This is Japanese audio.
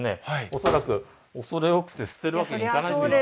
恐らく畏れ多くて捨てるわけにいかないって。